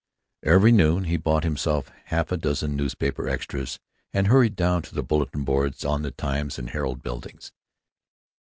Every noon he bought half a dozen newspaper extras and hurried down to the bulletin boards on the Times and Herald buildings.